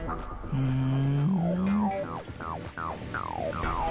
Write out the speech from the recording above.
ふん。